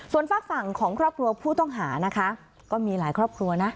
ส่วนฝากฝั่งของครอบครัวผู้ต้องหานะคะก็มีหลายครอบครัวนะ